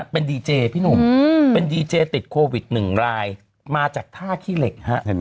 เป็นดีเจพี่หนุ่มเป็นดีเจติดโควิด๑รายมาจากท่าขี้เหล็กฮะ